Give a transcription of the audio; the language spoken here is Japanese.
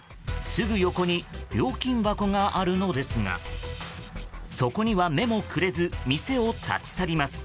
すぐ横に料金箱があるのですがそこには目もくれず店を立ち去ります。